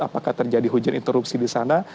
apakah terjadi hujan interupsi disana